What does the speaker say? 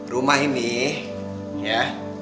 rumah ini ya